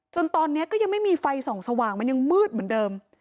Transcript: ตอนนี้ก็ยังไม่มีไฟส่องสว่างมันยังมืดเหมือนเดิม